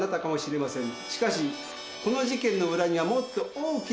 しかしこの事件の裏にはもっと大きな存在が。